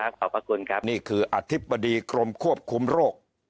ขอบพระคุณครับนี่คืออธิบดีกรมควบคุมโรค